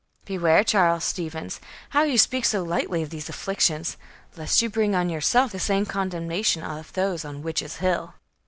"Beware, Charles Stevens, how you speak so lightly of these afflictions, lest you bring on yourself the same condemnation of those on Witches' Hill."